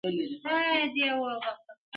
بې له ميني که ژوندون وي که دنیا وي,